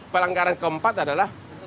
pelanggaran keempat adalah